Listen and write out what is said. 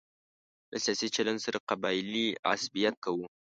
له سیاسي چلن سره قبایلي عصبیت کوو.